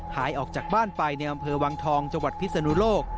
หายออกจากบ้านไปในอำเภอวังทองจังหวัดพิศนุโลก